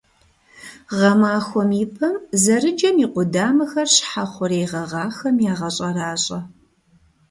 Гъэмахуэм и пэм зэрыджэм и къудамэхэр щхьэ хъурей гъэгъахэм ягъэщӀэращӀэ.